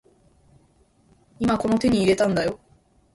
今この手に入れたんだよ